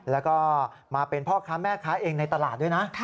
แล้วก็มาเป็นพ่อค้าแม่ค้าเองในตลาดด้วยนะ